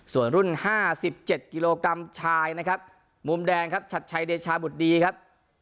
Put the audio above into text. ส่วนรุ่น๕๗กิโลกรัมชายนะครับมุมแดงครับชัดชัยเดชาบุตรดีครับ